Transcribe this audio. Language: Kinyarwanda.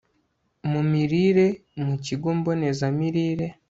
mu mirire mu kigo mbonezamirire